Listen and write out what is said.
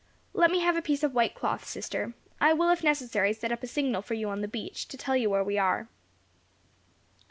Let me have a piece of white cloth, sister; I will, if necessary, set up a signal for you on the beach, to tell you where we are."